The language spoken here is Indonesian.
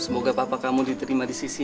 bangun bangun tante